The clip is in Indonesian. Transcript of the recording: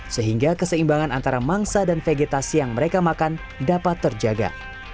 sehingga keseimbangan antara mangsa dan vegetasi yang mereka makan dapat terjaga